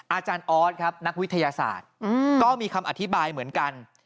อาจารย์ออสครับนักวิทยาศาสตร์ก็มีคำอธิบายเหมือนกัน